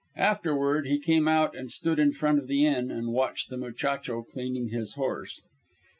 Afterward he came out and stood in front of the inn and watched the muchacho cleaning his horse.